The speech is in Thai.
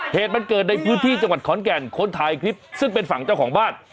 เหตุมันเกิดในพื้นที่จังหวัดขอนแก่นคนถ่ายคลิปซึ่งเป็นฝั่งเจ้าของบ้าน